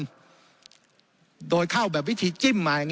เป็นเพราะว่าคนกลุ่มหนึ่ง